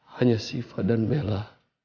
hanya sifat dan bella